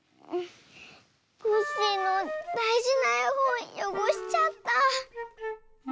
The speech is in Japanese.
コッシーのだいじなえほんよごしちゃった。